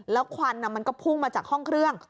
แล้วควันมันก็พุ่งมาจากห้องเครื่อง